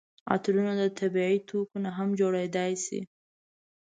عطرونه د طبیعي توکو نه هم جوړیدای شي.